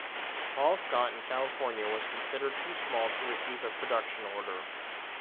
Hall-Scott in California was considered too small to receive a production order.